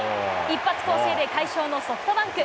一発攻勢で快勝のソフトバンク。